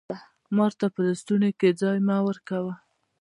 مار ته په لستوڼي کښي ځای مه ورکوه